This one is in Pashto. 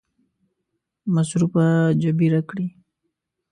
مصرفونه جبیره کړي.